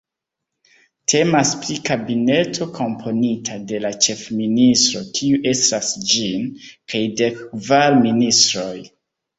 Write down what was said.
Temas pri kabineto komponita de la Ĉefministro, kiu estras ĝin, kaj dekkvar ministroj.